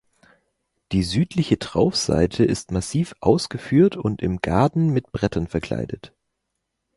Die südliche Traufseite ist massiv ausgeführt und im Gaden mit Brettern verkleidet.